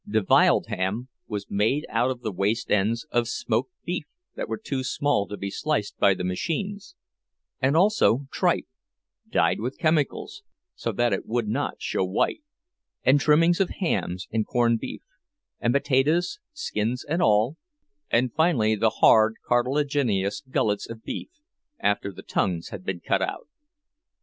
"De vyled" ham was made out of the waste ends of smoked beef that were too small to be sliced by the machines; and also tripe, dyed with chemicals so that it would not show white; and trimmings of hams and corned beef; and potatoes, skins and all; and finally the hard cartilaginous gullets of beef, after the tongues had been cut out.